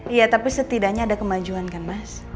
iya tapi setidaknya ada kemajuan kan mas